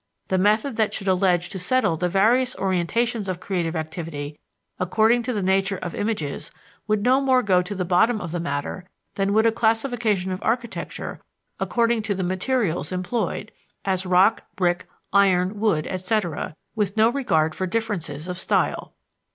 The method that should allege to settle the various orientations of creative activity according to the nature of images would no more go to the bottom of the matter than would a classification of architecture according to the materials employed (as rock, brick, iron, wood, etc.) with no regard for differences of style.